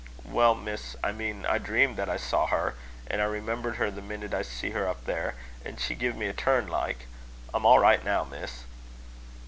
"Well, Miss, I mean, I dreamed that I saw her; and I remembered her the minute I see her up there; and she give me a turn like. I'm all right now, Miss."